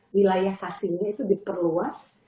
wilayah sasi ini itu diperluas